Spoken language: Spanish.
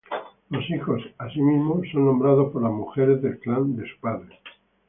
Los hijos, así mismo, son nombrados por las mujeres del clan de su padre.